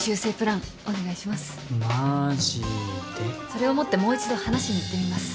それを持ってもう１度話しにいってみます。